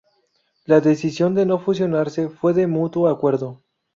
La decisión de no fusionarse fue de mutuo acuerdo.